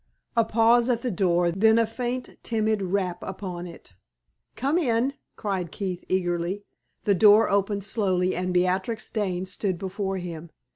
A pause at the door, then a faint, timid rap upon it. "Come in!" cried Keith, eagerly. The door opened slowly, and Beatrix Dane stood before him.